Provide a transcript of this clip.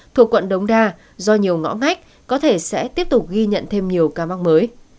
thuộc quận đống đa do nhiều ngõ ngách có thể sẽ tiếp tục ghi nhận thêm nhiều ca mắc mới